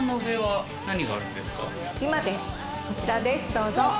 どうぞ。